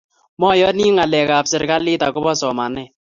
Mayoni ngalek ab serkalit akoba somanet